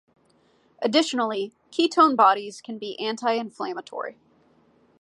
Additionally, ketone bodies can be anti-inflammatory.